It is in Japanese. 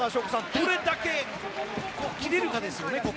どれだけ切れるかですよね。